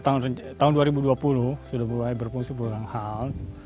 tahun dua ribu dua puluh sudah mulai berfungsi program house